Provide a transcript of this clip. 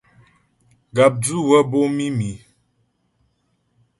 Gàpdzʉ wə́ bǒ mǐmi.